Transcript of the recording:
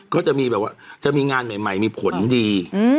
ก็จะมีแบบว่าจะมีงานใหม่มีผลดี